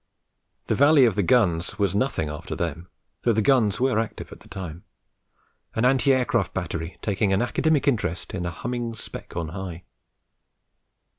The valley of the guns was nothing after them, though the guns were active at the time, an anti aircraft battery taking an academic interest in a humming speck on high.